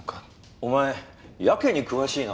お前やけに詳しいな。